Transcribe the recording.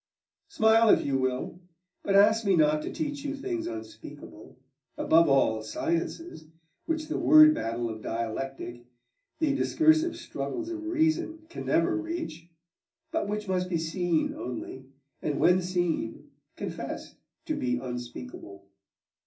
Smile if you will. But ask me not to teach you things unspeakable, above all sciences, which the word battle of dialectic, the discursive struggles of reason, can never reach, but which must be seen only, and when seen confessed to be unspeakable.